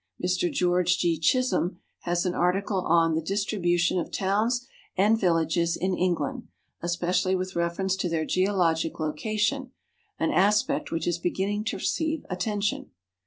Mr George G. Chisholm has an article on the " Distribution of Towns and Villages in England," especially with reference to their geologic location, an aspect which is beginning to receive attention.